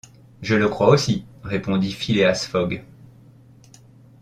Je le crois aussi, répondit Phileas Fogg.